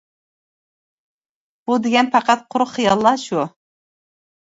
-بۇ دېگەن پەقەت قۇرۇق خىياللا شۇ.